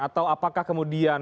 atau apakah kemudian